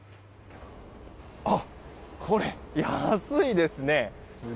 あ、これ安いですね。